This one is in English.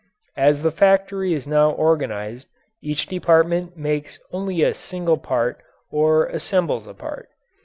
As the factory is now organized each department makes only a single part or assembles a part.